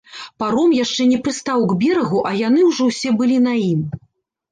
Паром яшчэ не прыстаў к берагу, а яны ўжо ўсе былі на ім.